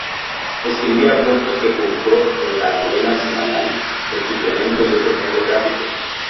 Escribía cuentos que publicó en "La Novela Semanal", "El Suplemento" y otros medios gráficos.